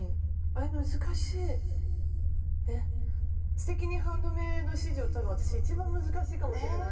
「すてきにハンドメイド」史上多分私いちばん難しいかもしれない。